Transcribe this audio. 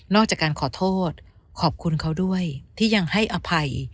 จากการขอโทษขอบคุณเขาด้วยที่ยังให้อภัย